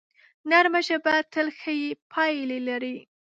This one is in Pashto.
نرمه ژبه تل ښې پایلې لري